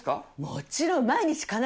もちろん。